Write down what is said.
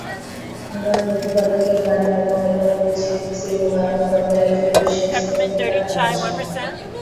আমি আমার প্রতিপালকের বাণী তোমাদের নিকট পৌঁছিয়ে দিচ্ছি এবং আমি তোমাদের একজন বিশ্বস্ত হিতাকাংখী।